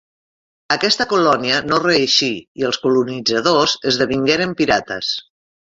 Aquesta colònia no reeixí i els colonitzadors esdevingueren pirates.